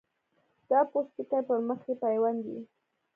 دا پوستکی پر مخ یې پیوند وي.